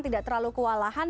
tidak terlalu kewalahan